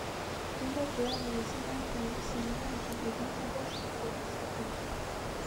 原本子弹的引信安全型问题以更换更可靠的引信解决。